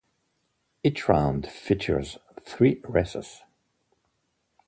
Each round featured three races.